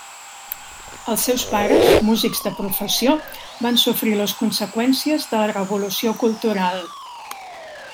Els seus pares, músics de professió van sofrir les conseqüències de la Revolució Cultural.